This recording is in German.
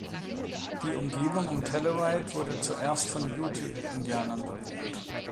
Die Umgebung um Telluride wurde zuerst von Ute-Indianern bewohnt.